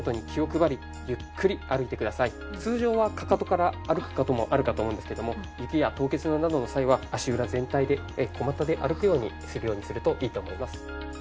通常はかかとから歩く事もあるかと思うんですけども雪や凍結などの際は足裏全体で小股で歩くようにするようにするといいと思います。